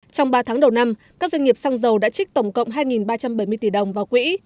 trong ba tháng đầu năm các doanh nghiệp xăng dầu đã trích tổng cộng hai ba trăm bảy mươi tỷ đồng vào quỹ